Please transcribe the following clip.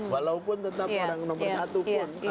walaupun tetap orang nomor satu pun